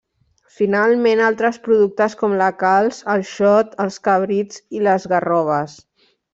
Finalment altres productes com la calç, el xot, els cabrits i les garroves.